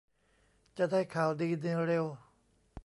จะได้ข่าวดีในเร็ว